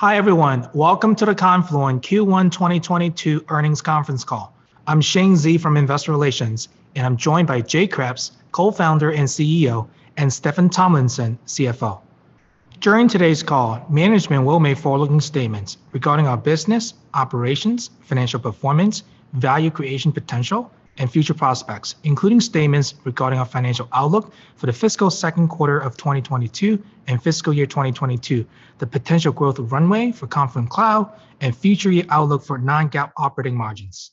Hi, everyone. Welcome to the Confluent Q1 2022 earnings conference call. I'm Shane Xie from Investor Relations, and I'm joined by Jay Kreps, co-founder and CEO, and Steffan Tomlinson, CFO. During today's call, management will make forward-looking statements regarding our business, operations, financial performance, value creation potential, and future prospects, including statements regarding our financial outlook for the fiscal second quarter of 2022 and fiscal year 2022, the potential growth runway for Confluent Cloud, and future year outlook for non-GAAP operating margins.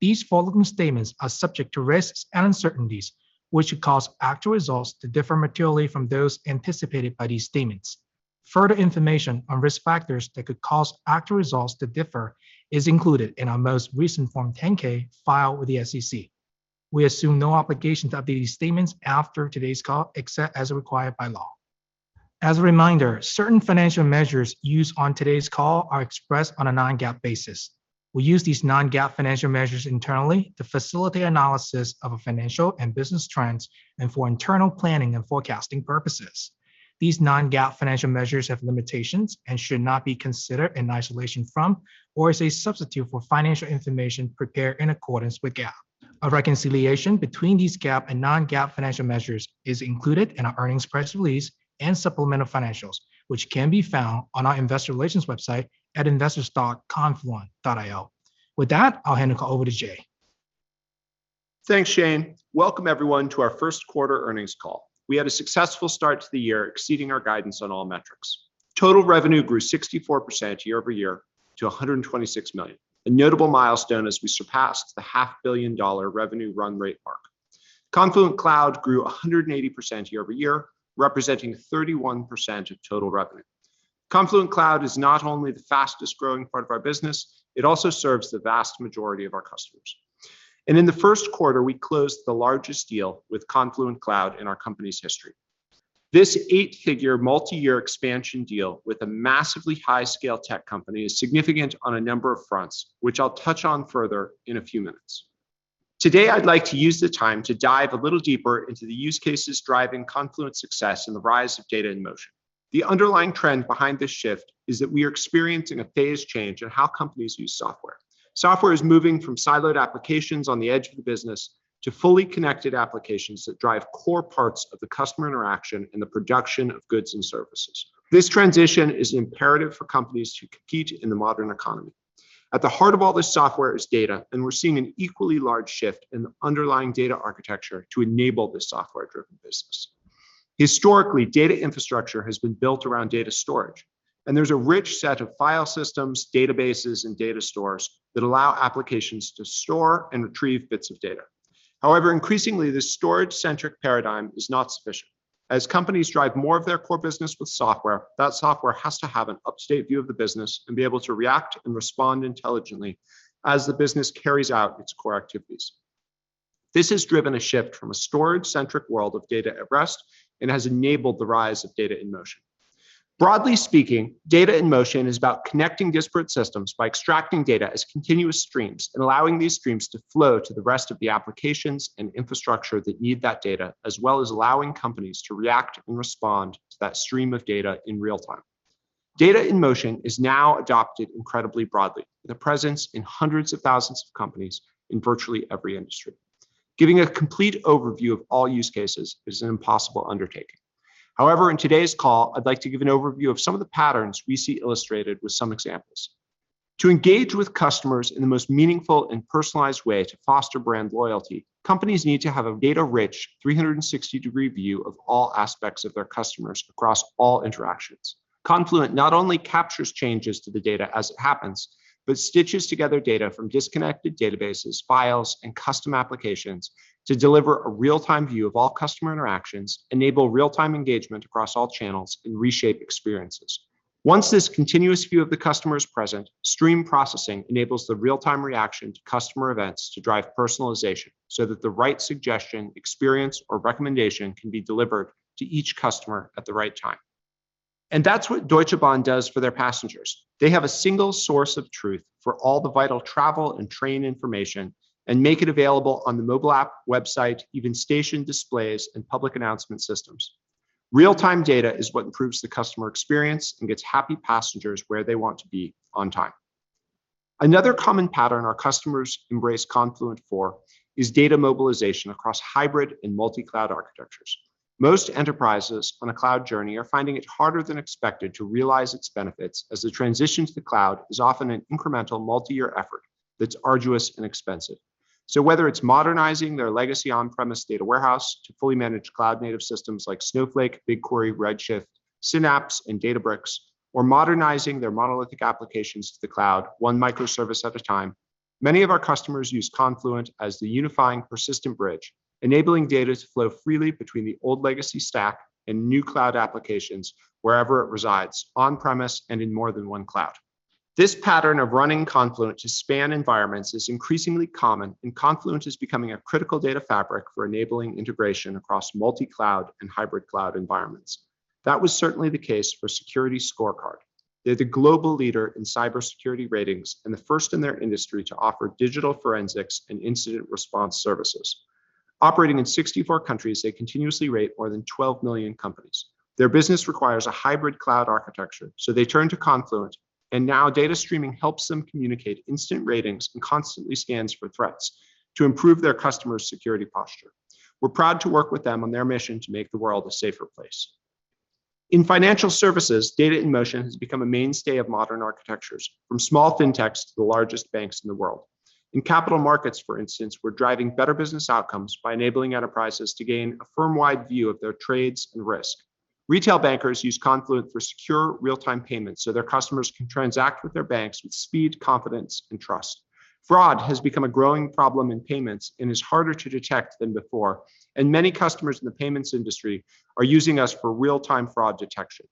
These forward-looking statements are subject to risks and uncertainties that could cause actual results to differ materially from those anticipated by these statements. Further information on risk factors that could cause actual results to differ is included in our most recent Form 10-K filed with the SEC. We assume no obligation to update these statements after today's call except as required by law. As a reminder, certain financial measures used on today's call are expressed on a non-GAAP basis. We use these non-GAAP financial measures internally to facilitate analysis of our financial and business trends and for internal planning and forecasting purposes. These non-GAAP financial measures have limitations and should not be considered in isolation from or as a substitute for financial information prepared in accordance with GAAP. A reconciliation between these GAAP and non-GAAP financial measures is included in our earnings press release and supplemental financials, which can be found on our investor relations website at investors.confluent.io. With that, I'll hand the call over to Jay. Thanks, Shane. Welcome, everyone, to our first quarter earnings call. We had a successful start to the year, exceeding our guidance on all metrics. Total revenue grew 64% year over year to $126 million, a notable milestone as we surpassed the half-billion-dollar revenue run rate mark. Confluent Cloud grew 180% year over year, representing 31% of total revenue. Confluent Cloud is not only the fastest-growing part of our business, but it also serves the vast majority of our customers. In the first quarter, we closed the largest deal with Confluent Cloud in our company's history. This eight-figure, multi-year expansion deal with a massively high-scale tech company is significant on a number of fronts, which I'll touch on further in a few minutes. Today, I'd like to use the time to dive a little deeper into the use cases driving Confluent's success and the rise of data in motion. The underlying trend behind this shift is that we are experiencing a phase change in how companies use software. Software is moving from siloed applications on the edge of the business to fully connected applications that drive core parts of the customer interaction and the production of goods and services. This transition is imperative for companies to compete in the modern economy. At the heart of all this software is data, and we're seeing an equally large shift in the underlying data architecture to enable this software-driven business. Historically, data infrastructure has been built around data storage, and there's a rich set of file systems, databases, and data stores that allow applications to store and retrieve bits of data. However, increasingly, this storage-centric paradigm is not sufficient. As companies drive more of their core business with software, that software has to have an up-to-date view of the business and be able to react and respond intelligently as the business carries out its core activities. This has driven a shift from a storage-centric world of data at rest and has enabled the rise of data in motion. Broadly speaking, data in motion is about connecting disparate systems by extracting data as continuous streams and allowing these streams to flow to the rest of the applications and infrastructure that need that data, as well as allowing companies to react and respond to that stream of data in real time. Data in motion is now adopted incredibly broadly, with a presence in hundreds of thousands of companies in virtually every industry. Giving a complete overview of all use cases is an impossible undertaking. However, in today's call, I'd like to give an overview of some of the patterns we see illustrated with some examples. To engage with customers in the most meaningful and personalized way to foster brand loyalty, companies need to have a data-rich, 360-degree view of all aspects of their customers across all interactions. Confluent not only captures changes to the data as it happens but also stitches together data from disconnected databases, files, and custom applications to deliver a real-time view of all customer interactions, enable real-time engagement across all channels, and reshape experiences. Once this continuous view of the customer is present, stream processing enables the real-time reaction to customer events to drive personalization, so that the right suggestion, experience, or recommendation can be delivered to each customer at the right time. That's what Deutsche Bank does for their passengers. They have a single source of truth for all the vital travel and train information and make it available on the mobile app, website, even station displays, and public announcement systems. Real-time data is what improves the customer experience and gets happy passengers where they want to be on time. Another common pattern our customers embrace Confluent for is data mobilization across hybrid and multi-cloud architectures. Most enterprises on a cloud journey are finding it harder than expected to realize their benefits as the transition to the cloud is often an incremental, multi-year effort that's arduous and expensive. Whether it's modernizing their legacy on-premises data warehouse to fully managed cloud-native systems like Snowflake, BigQuery, Redshift, Synapse, and Databricks, or modernizing their monolithic applications to the cloud one microservice at a time, many of our customers use Confluent as the unifying persistent bridge, enabling data to flow freely between the old legacy stack and new cloud applications wherever it resides, on-premises and in more than one cloud. This pattern of running Confluent to span environments is increasingly common, and Confluent is becoming a critical data fabric for enabling integration across multi-cloud and hybrid cloud environments. That was certainly the case for SecurityScorecard. They're the global leader in cybersecurity ratings and the first in their industry to offer digital forensics and incident response services. Operating in 64 countries, they continuously rate more than 12 million companies. Their business requires a hybrid cloud architecture, so they turn to Confluent, and now data streaming helps them communicate instant ratings and constantly scans for threats to improve their customers' security posture. We're proud to work with them on their mission to make the world a safer place. In financial services, data in motion has become a mainstay of modern architectures, from small FinTech to the largest banks in the world. In capital markets, for instance, we're driving better business outcomes by enabling enterprises to gain a firm-wide view of their trades and risk. Retail bankers use Confluent for secure real-time payments, so their customers can transact with their banks with speed, confidence, and trust. Fraud has become a growing problem in payments and is harder to detect than before, and many customers in the payments industry are using us for real-time fraud detection.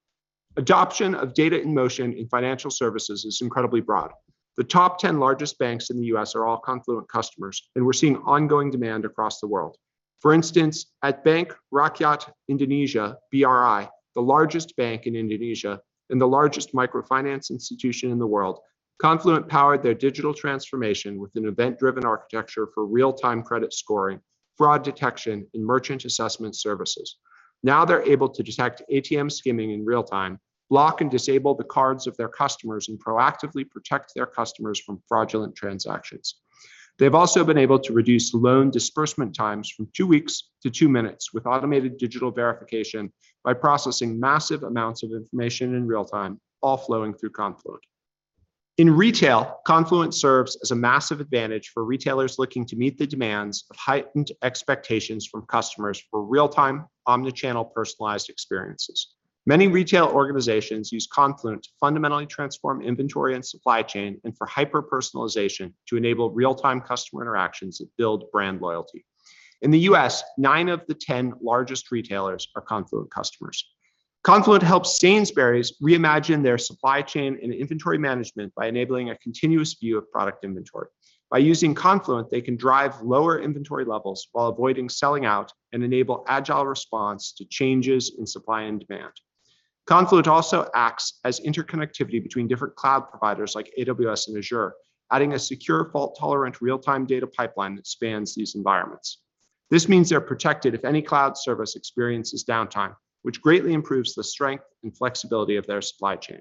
Adoption of data in motion in financial services is incredibly broad. The top 10 largest banks in the U.S. are all Confluent customers, and we're seeing ongoing demand across the world. For instance, at Bank Rakyat Indonesia (BRI), the largest bank in Indonesia and the largest microfinance institution in the world, Confluent powered their digital transformation with an event-driven architecture for real-time credit scoring, fraud detection, and merchant assessment services. Now they're able to detect ATM skimming in real time, block and disable the cards of their customers, and proactively protect their customers from fraudulent transactions. They've also been able to reduce loan disbursement times from two weeks to two minutes with automated digital verification by processing massive amounts of information in real time, all flowing through Confluent. In retail, Confluent serves as a massive advantage for retailers looking to meet the demands of heightened expectations from customers for real-time, omni-channel personalized experiences. Many retail organizations use Confluent to fundamentally transform inventory and supply chain, and for hyper-personalization to enable real-time customer interactions that build brand loyalty. In the U.S., nine of the ten largest retailers are Confluent customers. Confluent helps Sainsbury's reimagine its supply chain and inventory management by enabling a continuous view of product inventory. By using Confluent, they can drive lower inventory levels while avoiding selling out and enable agile response to changes in supply and demand. Confluent also acts as interconnectivity between different cloud providers like AWS and Azure, adding a secure, fault-tolerant, real-time data pipeline that spans these environments. This means they're protected if any cloud service experiences downtime, which greatly improves the strength and flexibility of their supply chain.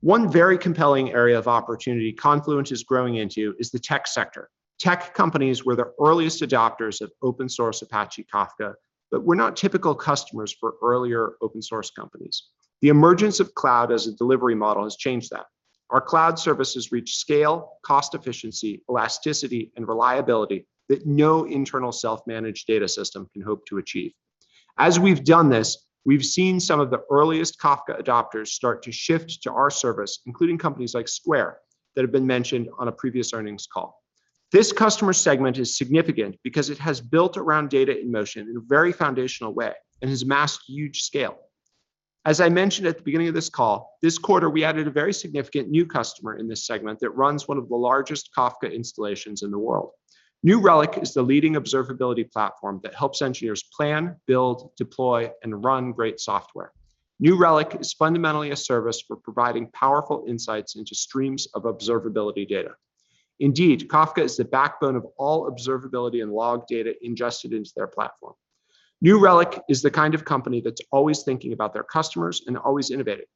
One very compelling area of opportunity that Confluent is growing into is the tech sector. Tech companies were the earliest adopters of open-source Apache Kafka but were not typical customers for earlier open-source companies. The emergence of cloud as a delivery model has changed that. Our cloud services reach scale, cost efficiency, elasticity, and reliability that no internal self-managed data system can hope to achieve. As we've done this, we've seen some of the earliest Kafka adopters start to shift to our service, including companies like Square that have been mentioned on a previous earnings call. This customer segment is significant because it has been built around data in motion in a very foundational way and has masked huge scale. As I mentioned at the beginning of this call, this quarter we added a very significant new customer in this segment that runs one of the largest Kafka installations in the world. New Relic is the leading observability platform that helps engineers plan, build, deploy, and run great software. New Relic is fundamentally a service for providing powerful insights into streams of observability data. Indeed, Kafka is the backbone of all observability and log data ingested into their platform. New Relic is the kind of company that's always thinking about their customers and always innovating.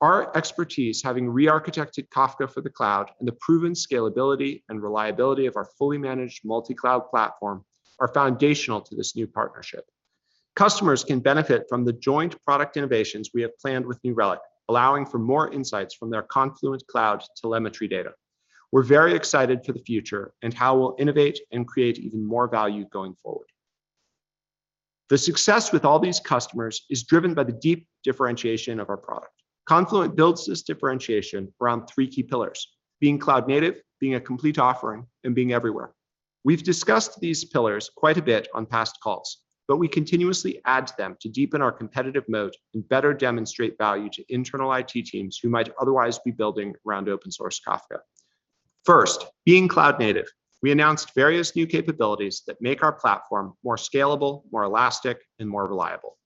Our expertise, having re-architected Kafka for the cloud and the proven scalability and reliability of our fully managed multi-cloud platform, are foundational to this new partnership. Customers can benefit from the joint product innovations we have planned with New Relic, allowing for more insights from their Confluent Cloud telemetry data. We're very excited for the future and how we'll innovate and create even more value going forward. The success with all these customers is driven by the deep differentiation of our product. Confluent builds this differentiation around three key pillars: being cloud-native, being a complete offering, and being everywhere. We've discussed these pillars quite a bit on past calls, but we continuously add to them to deepen our competitive moat and better demonstrate value to internal IT teams who might otherwise be building around open source, Kafka. First, being cloud-native, we announced various new capabilities that make our platform more scalable, more elastic, and more reliable.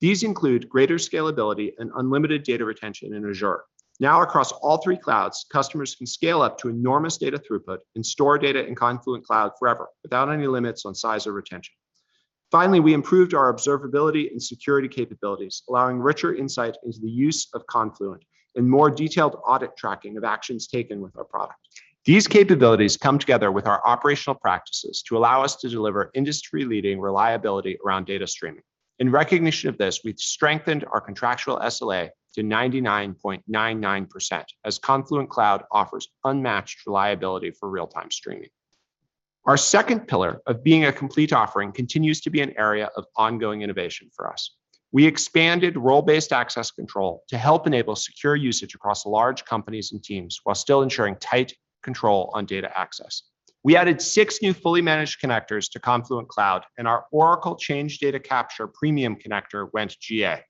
These include greater scalability and unlimited data retention in Azure. Now across all three clouds, customers can scale up to enormous data throughput and store data in Confluent Cloud forever without any limits on size or retention. Finally, we improved our observability and security capabilities, allowing richer insight into the use of Confluent and more detailed audit tracking of actions taken with our product. These capabilities come together with our operational practices to allow us to deliver industry-leading reliability around data streaming. In recognition of this, we've strengthened our contractual SLA to 99.99% as Confluent Cloud offers unmatched reliability for real-time streaming. Our second pillar of being a complete offering continues to be an area of ongoing innovation for us. We expanded role-based access control to help enable secure usage across large companies and teams while still ensuring tight control on data access. We added 6 new fully managed connectors to Confluent Cloud, and our Oracle CDC Source Premium Connector went GA.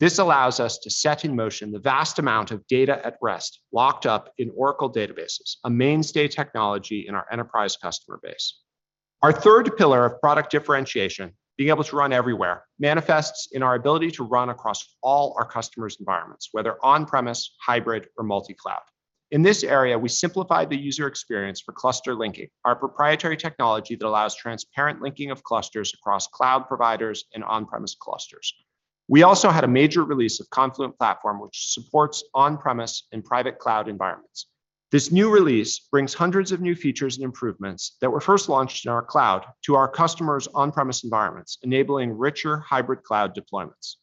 This allows us to set in motion the vast amount of data at rest locked up in Oracle databases, a mainstay technology in our enterprise customer base. Our third pillar of product differentiation, being able to run everywhere, manifests in our ability to run across all our customers' environments, whether on-premise, hybrid, or multi-cloud. In this area, we simplified the user experience for Cluster Linking, our proprietary technology that allows transparent linking of clusters across cloud providers and on-premise clusters. We also had a major release of Confluent Platform, which supports on-premise and private cloud environments. This new release brings hundreds of new features and improvements that were first launched in our cloud to our customers' on-premise environments, enabling richer hybrid cloud deployments.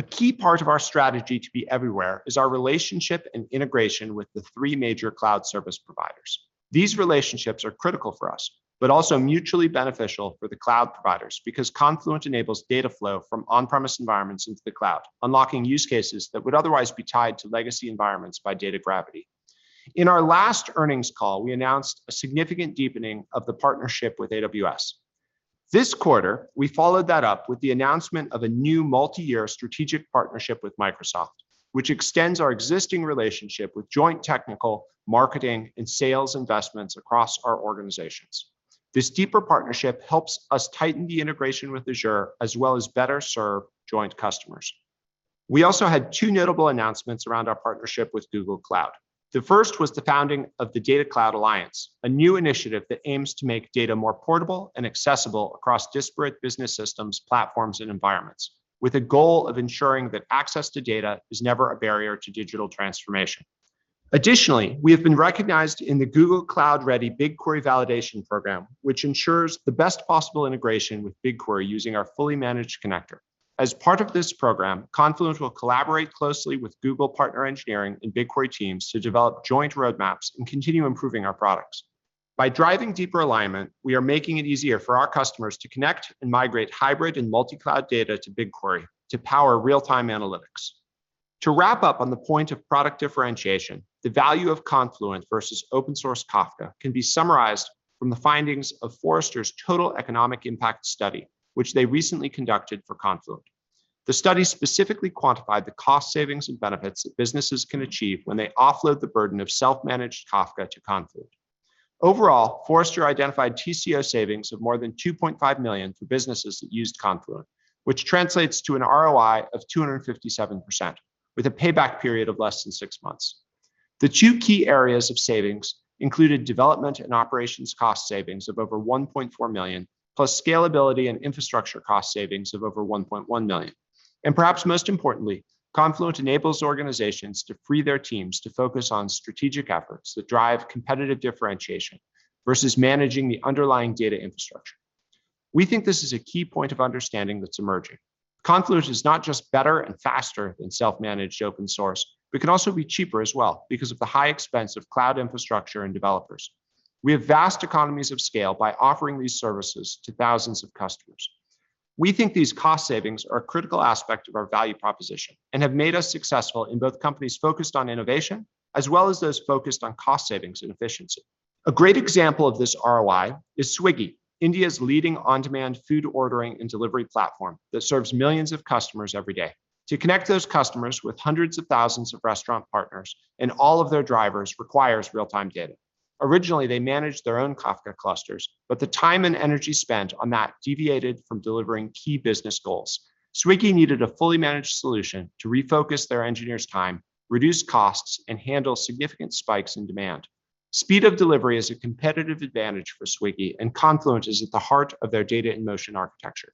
A key part of our strategy to be everywhere is our relationship and integration with the three major cloud service providers. These relationships are critical for us, but also mutually beneficial for the cloud providers because Confluent enables data flow from on-premises environments into the cloud, unlocking use cases that would otherwise be tied to legacy environments by data gravity. In our last earnings call, we announced a significant deepening of the partnership with AWS. This quarter, we followed that up with the announcement of a new multi-year strategic partnership with Microsoft, which extends our existing relationship with joint technical, marketing, and sales investments across our organizations. This deeper partnership helps us tighten the integration with Azure as well as better serve joint customers. We also had two notable announcements around our partnership with Google Cloud. The first was the founding of the Data Cloud Alliance, a new initiative that aims to make data more portable and accessible across disparate business systems, platforms, and environments, with a goal of ensuring that access to data is never a barrier to digital transformation. Additionally, we have been recognized in the Google Cloud Ready for BigQuery, which ensures the best possible integration with BigQuery using our fully managed connector. As part of this program, Confluent will collaborate closely with Google partner engineering and BigQuery teams to develop joint roadmaps and continue improving our products. By driving deeper alignment, we are making it easier for our customers to connect and migrate hybrid and multi-cloud data to BigQuery to power real-time analytics. To wrap up on the point of product differentiation, the value of Confluent versus open-source Kafka can be summarized from the findings of Forrester's Total Economic Impact Study, which they recently conducted for Confluent. The study specifically quantified the cost savings and benefits that businesses can achieve when they offload the burden of self-managed Kafka to Confluent. Overall, Forrester identified TCO savings of more than $2.5 million for businesses that used Confluent, which translates to an ROI of 257% with a payback period of less than six months. The two key areas of savings included development and operations cost savings of over $1.4 million, plus scalability and infrastructure cost savings of over $1.1 million. Perhaps most importantly, Confluent enables organizations to free their teams to focus on strategic efforts that drive competitive differentiation versus managing the underlying data infrastructure. We think this is a key point of understanding that's emerging. Confluent is not just better and faster than self-managed open source, but can also be cheaper as well because of the high expense of cloud infrastructure and developers. We have vast economies of scale by offering these services to thousands of customers. We think these cost savings are a critical aspect of our value proposition and have made us successful in both companies focused on innovation as well as those focused on cost savings and efficiency. A great example of this ROI is Swiggy, India's leading on-demand food ordering and delivery platform that serves millions of customers every day. To connect those customers with hundreds of thousands of restaurant partners and all of their drivers requires real-time data. Originally, they managed their own Kafka clusters, but the time and energy spent on that deviated from delivering key business goals. Swiggy needed a fully managed solution to refocus their engineers' time, reduce costs, and handle significant spikes in demand. Speed of delivery is a competitive advantage for Swiggy, and Confluent is at the heart of their data in motion architecture.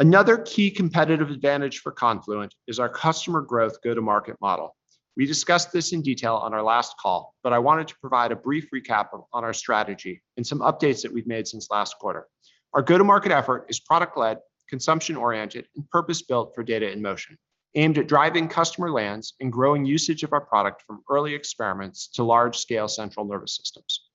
Another key competitive advantage for Confluent is our customer growth go-to-market model. We discussed this in detail on our last call, but I wanted to provide a brief recap on our strategy and some updates that we've made since last quarter. Our go-to-market effort is product-led, consumption-oriented, and purpose-built for data in motion, aimed at driving customer lands and growing usage of our product from early experiments to large-scale central nervous systems.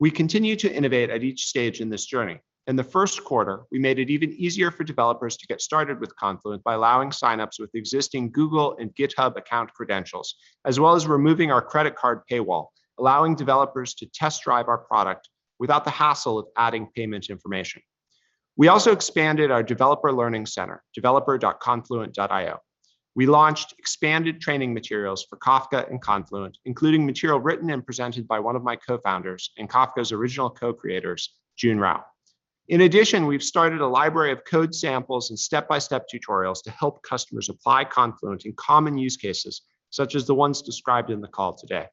We continue to innovate at each stage in this journey. In the first quarter, we made it even easier for developers to get started with Confluent by allowing sign-ups with existing Google and GitHub account credentials, as well as removing our credit card paywall, allowing developers to test drive our product without the hassle of adding payment information. We also expanded our developer learning center, developer.confluent.io. We launched expanded training materials for Kafka and Confluent, including material written and presented by one of my co-founders and Kafka's original co-creators, Jun Rao. In addition, we've started a library of code samples and step-by-step tutorials to help customers apply Confluent in common use cases, such as the ones described in the call today.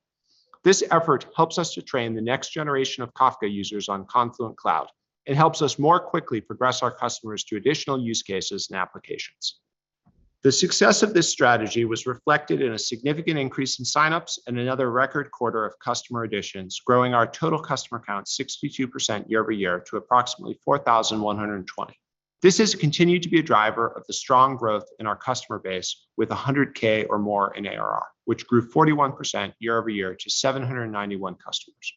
This effort helps us to train the next generation of Kafka users on Confluent Cloud. It helps us more quickly progress our customers to additional use cases and applications. The success of this strategy was reflected in a significant increase in sign-ups and another record quarter of customer additions, growing our total customer count 62% year-over-year to approximately 4,120. This has continued to be a driver of the strong growth in our customer base, with 100K or more in ARR, which grew 41% year-over-year to 791 customers.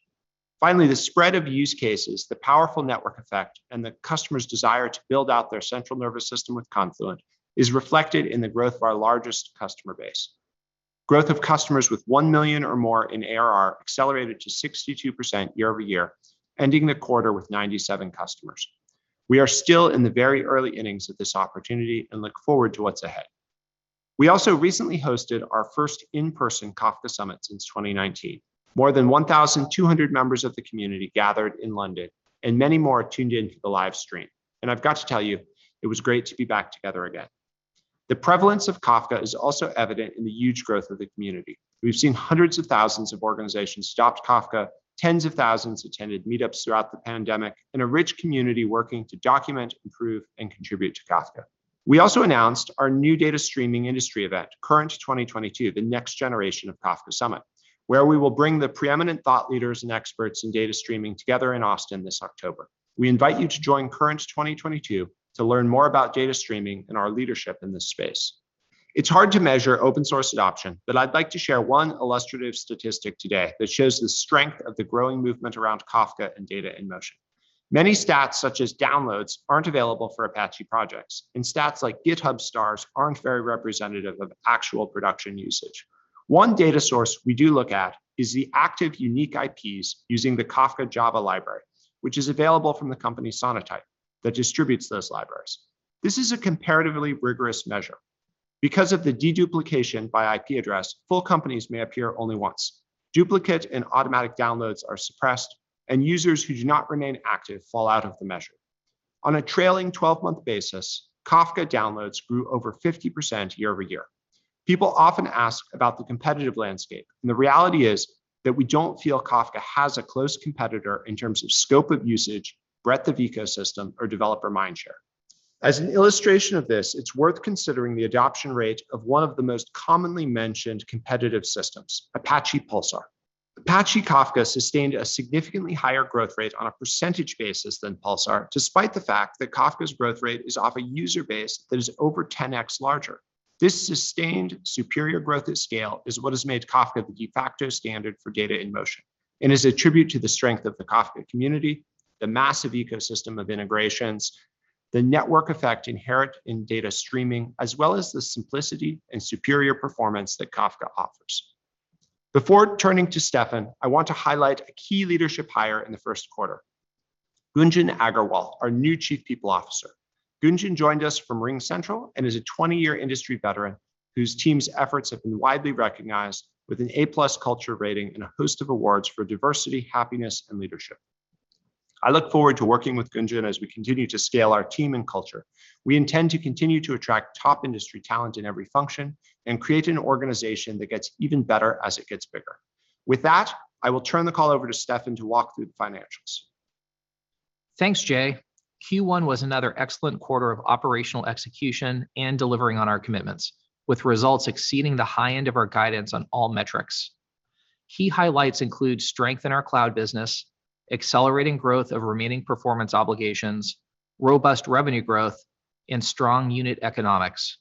Finally, the spread of use cases, the powerful network effect, and the customer's desire to build out their central nervous system with Confluent are reflected in the growth of our largest customer base. Growth of customers with $1 million or more in ARR accelerated to 62% year-over-year, ending the quarter with 97 customers. We are still in the very early innings of this opportunity and look forward to what's ahead. We also recently hosted our first in-person Kafka Summit since 2019. More than 1,200 members of the community gathered in London, and many more tuned in to the live stream. I've got to tell you, it was great to be back together again. The prevalence of Kafka is also evident in the huge growth of the community. We've seen hundreds of thousands of organizations adopt Kafka, tens of thousands attended meetups throughout the pandemic, and a rich community working to document, improve, and contribute to Kafka. We also announced our new data streaming industry event, Current 2022, the next generation of Kafka Summit, where we will bring the preeminent thought leaders and experts in data streaming together in Austin this October. We invite you to join Current 2022 to learn more about data streaming and our leadership in this space. It's hard to measure open source adoption, but I'd like to share one illustrative statistic today that shows the strength of the growing movement around Kafka and data in motion. Many stats, such as downloads, aren't available for Apache projects, and stats like GitHub stars aren't very representative of actual production usage. One data source we do look at is the active unique IPs using the Kafka Java library, which is available from the company Sonatype that distributes those libraries. This is a comparatively rigorous measure. Because of the deduplication by IP address, full companies may appear only once. Duplicates and automatic downloads are suppressed, and users who do not remain active fall out of the measure. On a trailing twelve-month basis, Kafka downloads grew over 50% year-over-year. People often ask about the competitive landscape, and the reality is that we don't feel Kafka has a close competitor in terms of scope of usage, breadth of ecosystem, or developer mindshare. As an illustration of this, it's worth considering the adoption rate of one of the most commonly mentioned competitive systems, Apache Pulsar. Apache Kafka sustained a significantly higher growth rate on a percentage basis than Pulsar, despite the fact that Kafka's growth rate is off a user base that is over 10x larger. This sustained superior growth at scale is what has made Kafka the de facto standard for data in motion and is a tribute to the strength of the Kafka community, the massive ecosystem of integrations, the network effect inherent in data streaming, as well as the simplicity and superior performance that Kafka offers. Before turning to Steffan, I want to highlight a key leadership hire in the first quarter. Gunjan Aggarwal, our new Chief People Officer. Gunjan joined us from RingCentral and is a 20-year industry veteran whose team's efforts have been widely recognized with an A-plus culture rating and a host of awards for diversity, happiness, and leadership. I look forward to working with Gunjan as we continue to scale our team and culture. We intend to continue to attract top industry talent in every function and create an organization that gets even better as it gets bigger. With that, I will turn the call over to Steffan to walk through the financials. Thanks, Jay. Q1 was another excellent quarter of operational execution and delivering on our commitments, with results exceeding the high end of our guidance on all metrics. Key highlights include strength in our cloud business, accelerating growth of remaining performance obligations, robust revenue growth, and strong unit economics.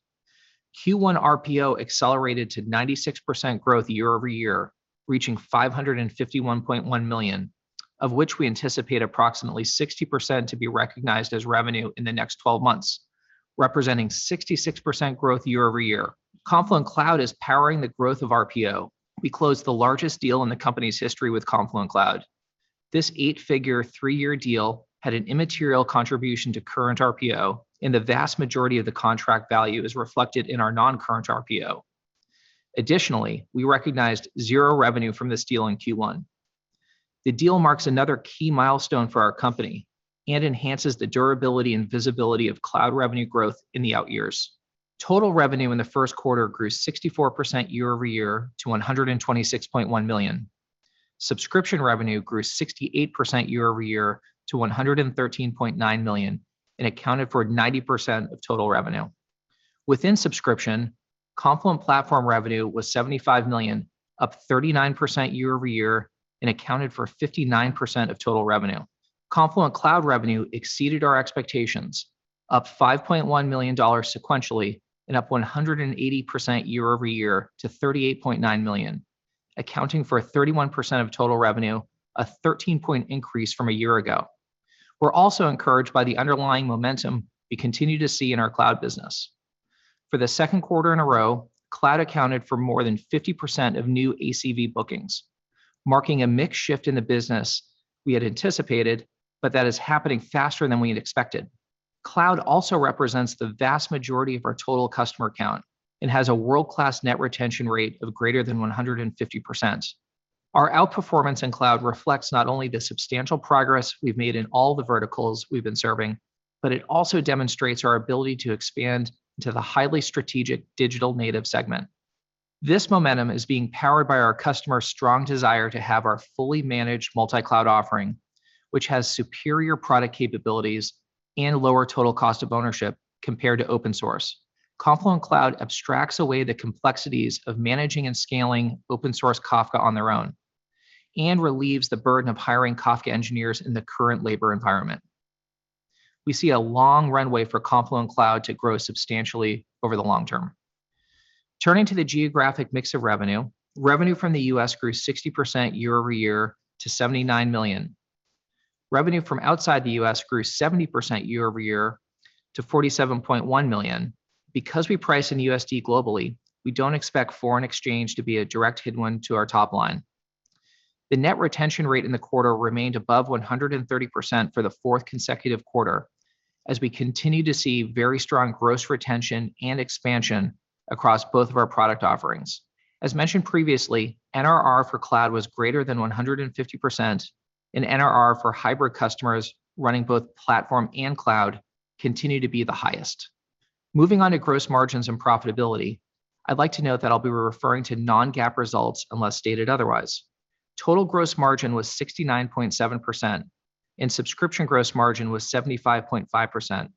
Q1 RPO accelerated to 96% growth year-over-year, reaching $551.1 million, of which we anticipate approximately 60% to be recognized as revenue in the next twelve months, representing 66% growth year-over-year. Confluent Cloud is powering the growth of RPO. We closed the largest deal in the company's history with Confluent Cloud. This eight-figure, three-year deal had an immaterial contribution to current RPO, and the vast majority of the contract value is reflected in our non-current RPO. Additionally, we recognized zero revenue from this deal in Q1. The deal marks another key milestone for our company and enhances the durability and visibility of cloud revenue growth in the out years. Total revenue in the first quarter grew 64% year-over-year to $126.1 million. Subscription revenue grew 68% year-over-year to $113.9 million and accounted for 90% of total revenue. Within subscription, Confluent Platform revenue was $75 million, up 39% year-over-year, and accounted for 59% of total revenue. Confluent Cloud revenue exceeded our expectations, up $5.1 million sequentially and up 180% year-over-year to $38.9 million, accounting for 31% of total revenue, a 13-point increase from a year ago. We're also encouraged by the underlying momentum we continue to see in our cloud business. For the second quarter in a row, cloud accounted for more than 50% of new ACV bookings, marking a mix shift in the business we had anticipated, but that is happening faster than we had expected. Cloud also represents the vast majority of our total customer count and has a world-class net retention rate of greater than 150%. Our outperformance in cloud reflects not only the substantial progress we've made in all the verticals we've been serving, but it also demonstrates our ability to expand into the highly strategic digital native segment. This momentum is being powered by our customers' strong desire to have our fully managed multi-cloud offering, which has superior product capabilities and lower total cost of ownership compared to open source. Confluent Cloud abstracts away the complexities of managing and scaling open source Kafka on its own and relieves the burden of hiring Kafka engineers in the current labor environment. We see a long runway for Confluent Cloud to grow substantially over the long term. Turning to the geographic mix of revenue, the US grew 60% year-over-year to $79 million. Revenue from outside the US grew 70% year-over-year to $47.1 million. Because we price in USD globally, we don't expect foreign exchange to be a direct headwind to our top line. The net retention rate in the quarter remained above 130% for the fourth consecutive quarter as we continue to see very strong gross retention and expansion across both of our product offerings. As mentioned previously, NRR for cloud was greater than 150%, and NRR for hybrid customers running both platform and cloud continues to be the highest. Moving on to gross margins and profitability, I'd like to note that I'll be referring to non-GAAP results unless stated otherwise. Total gross margin was 69.7%, and subscription gross margin was 75.5%.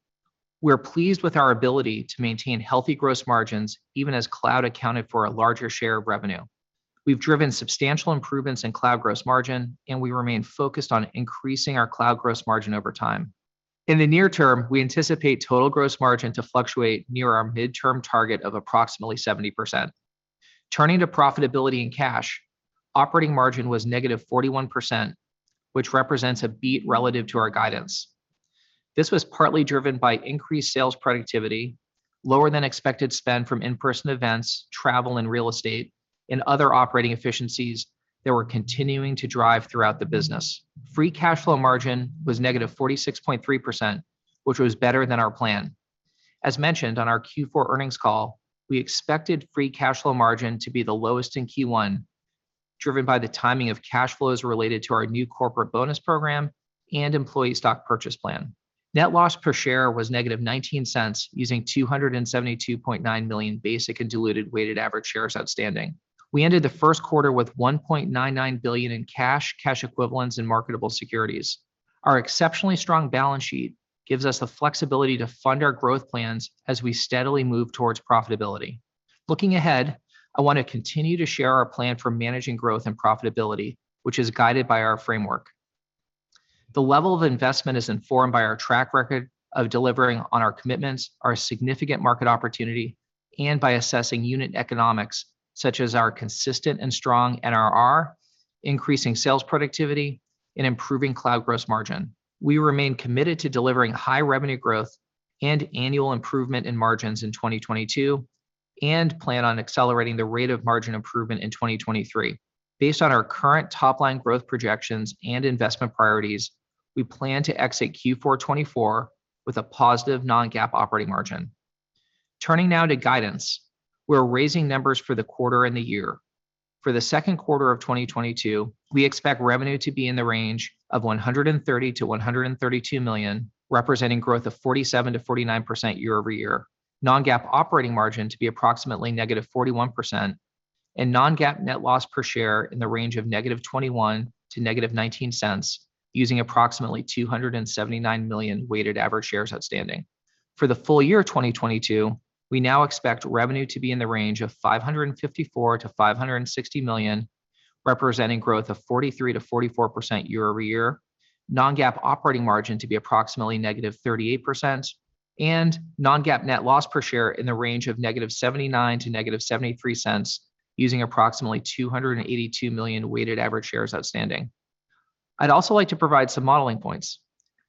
We are pleased with our ability to maintain healthy gross margins even as cloud accounted for a larger share of revenue. We've driven substantial improvements in cloud gross margin, and we remain focused on increasing our cloud gross margin over time. In the near term, we anticipate total gross margin to fluctuate near our midterm target of approximately 70%. Turning to profitability and cash, the operating margin was -41%, which represents a bit relative to our guidance. This was partly driven by increased sales productivity, lower-than-expected spend from in-person events, travel, and real estate, and other operating efficiencies that we're continuing to drive throughout the business. Free cash flow margin was -46.3%, which was better than our plan. As mentioned on our Q4 earnings call, we expected free cash flow margin to be the lowest in Q1, driven by the timing of cash flows related to our new corporate bonus program and employee stock purchase plan. Net loss per share was -$0.19 using 272.9 million basic and diluted weighted average shares outstanding. We ended the first quarter with $1.99 billion in cash equivalents, and marketable securities. Our exceptionally strong balance sheet gives us the flexibility to fund our growth plans as we steadily move towards profitability. Looking ahead, I want to continue to share our plan for managing growth and profitability, which is guided by our framework. The level of investment is informed by our track record of delivering on our commitments, our significant market opportunity, and by assessing unit economics such as our consistent and strong NRR, increasing sales productivity, and improving cloud gross margin. We remain committed to delivering high revenue growth and annual improvement in margins in 2022 and plan on accelerating the rate of margin improvement in 2023. Based on our current top line growth projections and investment priorities, we plan to exit Q4 2024 with a positive non-GAAP operating margin. Turning now to guidance, we're raising numbers for the quarter and the year. For the second quarter of 2022, we expect revenue to be in the range of $130 million-$132 million, representing growth of 47%-49% year-over-year, non-GAAP operating margin to be approximately -41%, and non-GAAP net loss per share in the range of -$0.21 to -$0.19, using approximately 279 million weighted average shares outstanding. For the full-year of 2022, we now expect revenue to be in the range of $554 million-$560 million, representing growth of 43%-44% year-over-year, non-GAAP operating margin to be approximately -38%, and non-GAAP net loss per share in the range of -$0.79 to -$0.73, using approximately 282 million weighted average shares outstanding. I'd also like to provide some modeling points.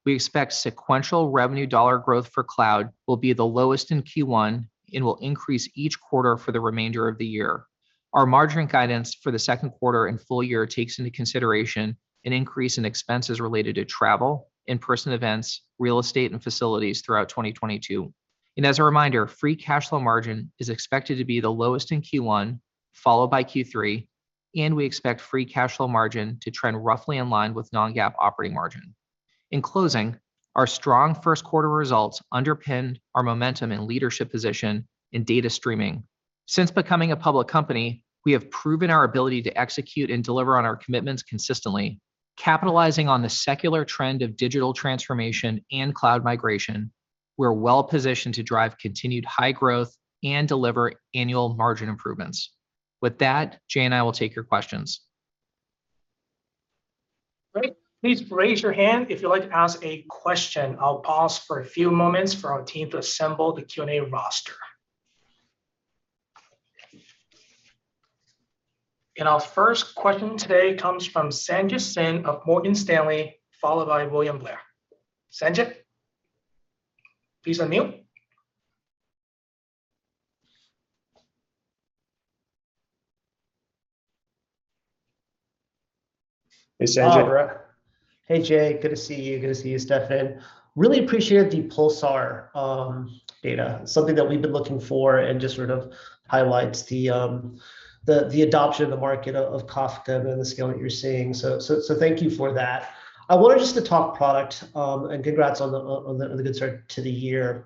We expect sequential revenue dollar growth for cloud to be the lowest in Q1 and will increase each quarter for the remainder of the year. Our margin guidance for the second quarter and full year takes into consideration an increase in expenses related to travel, in-person events, real estate, and facilities throughout 2022. As a reminder, free cash flow margin is expected to be the lowest in Q1, followed by Q3, and we expect free cash flow margin to trend roughly in line with non-GAAP operating margin. In closing, our strong first-quarter results underpinned our momentum and leadership position in data streaming. Since becoming a public company, we have proven our ability to execute and deliver on our commitments consistently. Capitalizing on the secular trend of digital transformation and cloud migration, we're well-positioned to drive continued high growth and deliver annual margin improvements. With that, Jay and I will take your questions. Great. Please raise your hand if you'd like to ask a question. I'll pause for a few moments for our team to assemble the Q&A roster. Our first question today comes from Sanjit Singh of Morgan Stanley, followed by William Blair. Sanjit, please unmute. Hey, Sanjit. Hey, Jay. Good to see you. Good to see you, Steffan. Really appreciate the Pulsar data. Something that we've been looking for and just sort of highlights the adoption of the market of Kafka and the scale that you're seeing. Thank you for that. I just wanted to talk product, and congrats on the good start to the year.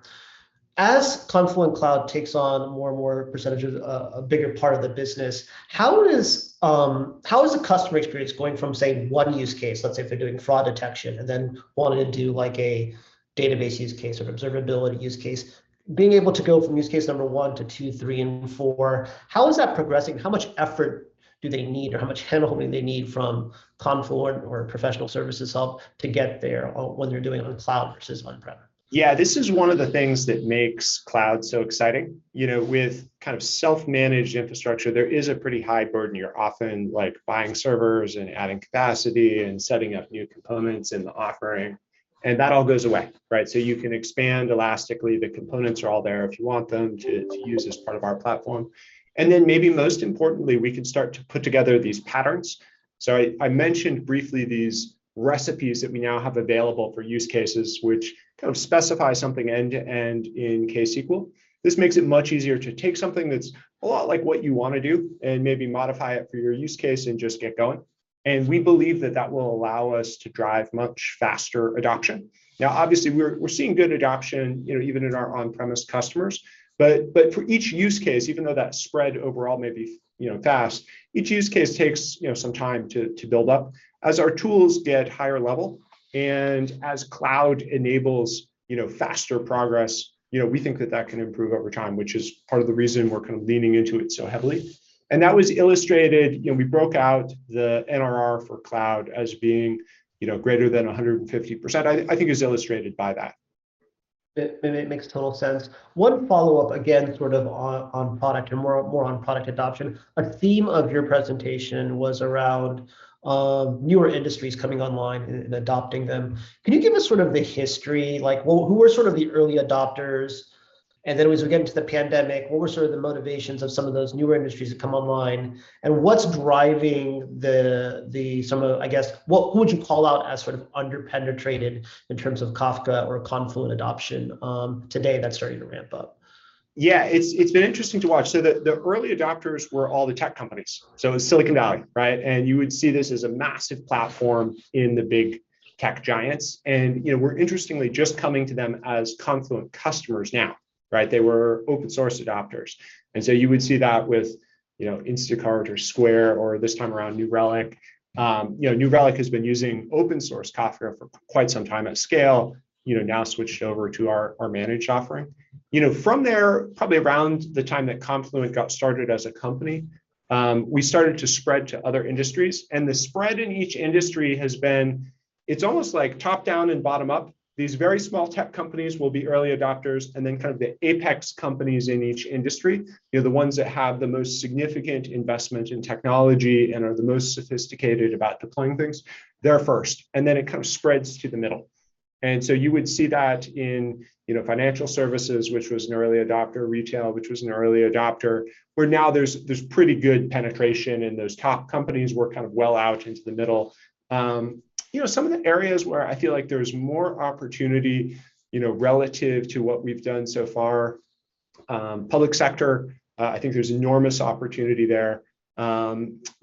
As Confluent Cloud takes on more and more percentages, a bigger part of the business, how is the customer experience going from, say, one use case, let's say if they're doing fraud detection and then wanted to do like a database use case or observability use case, being able to go from use case number one to two, three, and four, how is that progressing? How much effort do they need, or how much hand-holding do they need from Confluent or professional services help to get there when they're doing it on cloud versus on-prem? Yeah. This is one of the things that makes cloud so exciting. You know, with kind of self-managed infrastructure, there is a pretty high burden. You're often, like, buying servers and adding capacity and setting up new components in the offering. That all goes away, right? You can expand elastically. The components are all there if you want to use them as part of our platform. Maybe most importantly, we can start to put together these patterns. I mentioned briefly these recipes that we now have available for use cases, which kind of specify something end-to-end in ksqlDB. This makes it much easier to take something that's a lot like what you wanna do and maybe modify it for your use case and just get going, and we believe that will allow us to drive much faster adoption. Now, obviously, we're seeing good adoption, you know, even in our on-premise customers. But for each use case, even though that's spread overall, maybe, you know, fast, each use case takes, you know, some time to build up. As our tools get higher level and as cloud enables, you know, faster progress, you know, we think that can improve over time, which is part of the reason we're kind of leaning into it so heavily, and that was illustrated. You know, we broke out the NRR for cloud as being, you know, greater than 150%. I think it's illustrated by that. It makes total sense. One follow-up, again, sort of on product and more on product adoption. A theme of your presentation was around newer industries coming online and adopting them. Can you give us sort of the history? Like, well, who were sort of the early adopters? Then as we get into the pandemic, what were sort of the motivations of some of those newer industries to come online? What's driving some of the, I guess, who would you call out as sort of under-penetrated in terms of Kafka or Confluent adoption today that's starting to ramp up? It's been interesting to watch. The early adopters were all the tech companies. It was Silicon Valley, right? You would see this as a massive platform in the big tech giants, and, you know, we're interestingly just coming to them as Confluent customers now, right? They were open source adopters. You would see that with, you know, Instacart or Square or this time around New Relic. New Relic has been using open source Kafka for quite some time at scale, you know, now switched over to our managed offering. From there, probably around the time that Confluent got started as a company, we started to spread to other industries, and the spread in each industry has been. It's almost like top-down and bottom-up. These very small tech companies will be early adopters, and then kind of the apex companies in each industry, you know, the ones that have the most significant investment in technology and are the most sophisticated about deploying things, they're first. Then it kind of spreads to the middle. You would see that in, you know, financial services, which was an early adopter, retail, which was an early adopter, where now there's pretty good penetration, and those top companies work kind of well out into the middle. You know, some of the areas where I feel like there's more opportunity, you know, relative to what we've done so far, public sector, I think there's enormous opportunity there. You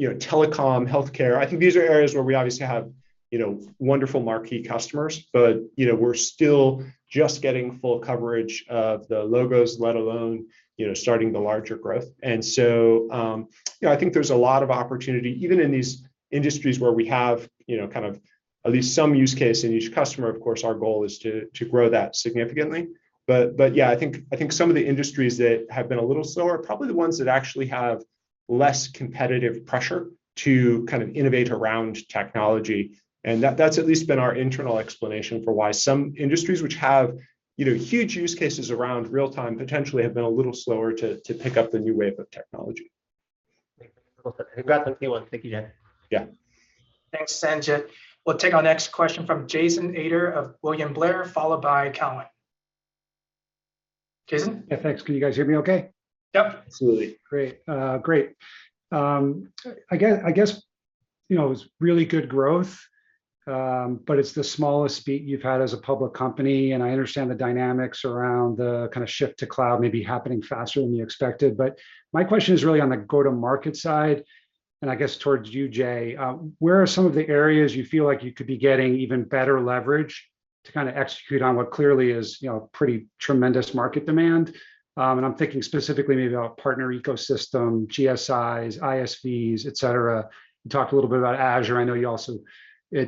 know, telecom, healthcare, I think these are areas where we obviously have, you know, wonderful marquee customers, but, you know, we're still just getting full coverage of the logos, let alone, you know, starting the larger growth. I think there's a lot of opportunity even in these industries where we have, you know, kind of at least some use case in each customer. Of course, our goal is to grow that significantly. Yeah, I think some of the industries that have been a little slower are probably the ones that actually have less competitive pressure to kind of innovate around technology, and that's at least been our internal explanation for why some industries which have, you know, huge use cases around real-time potentially have been a little slower to pick up the new wave of technology. Okay. Yeah. Thanks, Sanjit. We'll take our next question from Jason Ader of William Blair, followed by Derrick Wood. Jason? Yeah, thanks. Can you guys hear me okay? Yep. Absolutely. Great. I guess, you know, it's really good growth, but it's the smallest beat you've had as a public company, and I understand the dynamics around the kinda shift to cloud maybe happening faster than you expected. My question is really on the go-to-market side, and I guess towards you, Jay. Where are some of the areas you feel like you could be getting even better leverage to kinda execute on what clearly is, you know, pretty tremendous market demand? And I'm thinking specifically maybe about partner ecosystem, GSIs, ISVs, et cetera. You talked a little bit about Azure. I know you also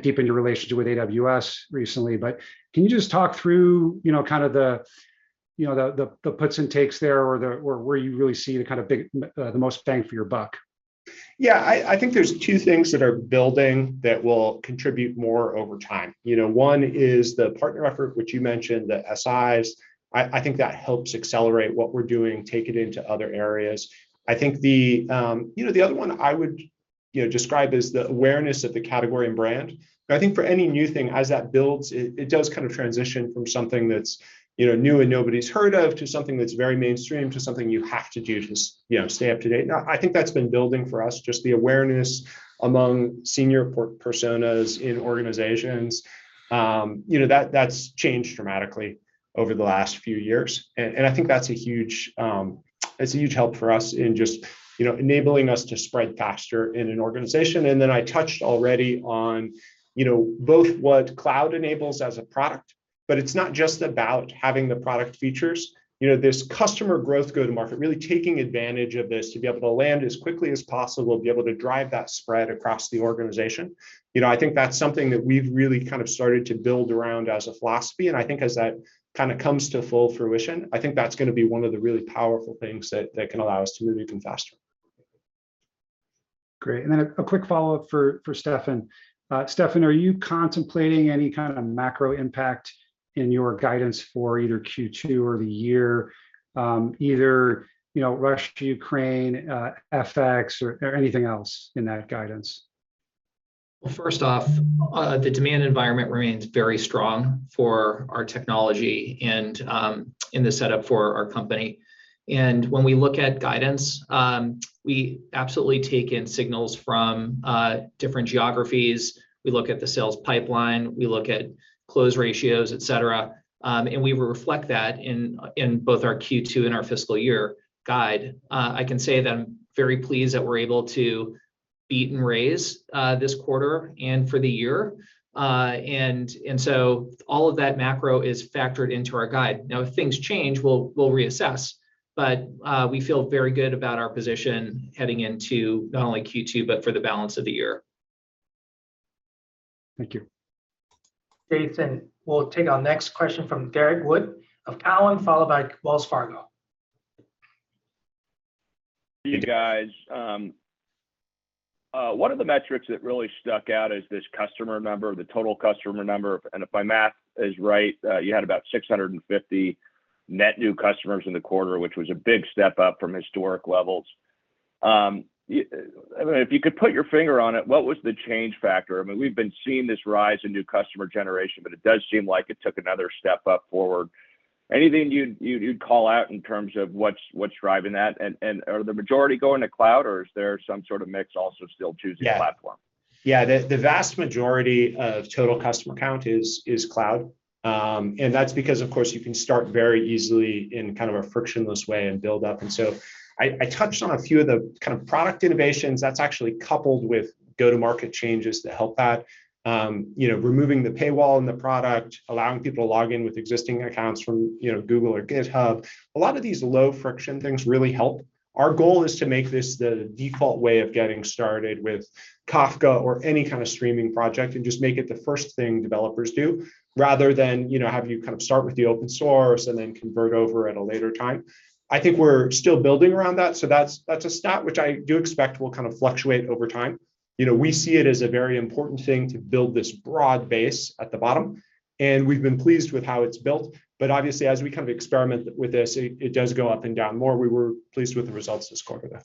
deepened your relationship with AWS recently. Can you just talk through, you know, kind of the puts and takes there or the. Where do you really see the most bang for your buck? Yeah. I think there's two things that are building that will contribute more over time. You know, one is the partner effort, which you mentioned, the SIs. I think that helps accelerate what we're doing, take it into other areas. I think the, you know, the other one I would, you know, describe is the awareness of the category and brand. I think for any new thing, as that builds, it does kind of transition from something that's, you know, new and nobody's heard of to something that's very mainstream to something you have to do to, you know, stay up to date. Now, I think that's been building for us, just the awareness among senior personas in organizations. You know, that's changed dramatically over the last few years, and I think that's a huge help for us in just, you know, enabling us to spread faster in an organization. Then I touched already on, you know, both what cloud enables as a product, but it's not just about having the product features. You know, this customer growth go-to-market, really taking advantage of this to be able to land as quickly as possible, be able to drive that spread across the organization, you know, I think that's something that we've really kind of started to build around as a philosophy, and I think as that kinda comes to full fruition, I think that's gonna be one of the really powerful things that can allow us to move even faster. Great. A quick follow-up for Steffan. Steffan, are you contemplating any kind of macro impact in your guidance for either Q2 or the year, either you know, Russia-Ukraine, FX, or anything else in that guidance? Well, first off, the demand environment remains very strong for our technology and in the setup for our company. When we look at guidance, we absolutely take in signals from different geographies. We look at the sales pipeline, we look at close ratios, et cetera. We reflect that in both our Q2 and our fiscal year guide. I can say that I'm very pleased that we're able to beat and raise this quarter and for the year. So all of that macro is factored into our guide. Now, if things change, we'll reassess, but we feel very good about our position heading into not only Q2, but for the balance of the year. Thank you. Jason, we'll take our next question from Derrick Wood of Cowen, followed by Wells Fargo. You guys, one of the metrics that really stuck out is this customer number, the total customer number. If my math is right, you had about 650 net new customers in the quarter, which was a big step up from historic levels. I mean, if you could put your finger on it, what was the change factor? I mean, we've been seeing this rise in new customer generation, but it does seem like it took another step up forward. Anything you'd call out in terms of what's driving that? Are the majority going to cloud, or is there some sort of mix also still choosing? Yeah Platform? Yeah. The vast majority of the total customer count is cloud. That's because, of course, you can start very easily in a kind of frictionless way and build up. I touched on a few of the kinds of product innovations that are actually coupled with go-to-market changes to help that, you know, removing the paywall in the product, allowing people to log in with existing accounts from, you know, Google or GitHub. A lot of these low-friction things really help. Our goal is to make this the default way of getting started with Kafka or any kind of streaming project and just make it the first thing developers do rather than, you know, have you kind of start with the open source and then convert over at a later time. I think we're still building around that. That's a stat which I do expect will kind of fluctuate over time. You know, we see it as a very important thing to build this broad base at the bottom, and we've been pleased with how it's built. Obviously as we kind of experiment with this, it does go up and down more. We were pleased with the results this quarter, though.